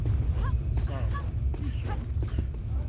Ṭṣeɣ, i kemm?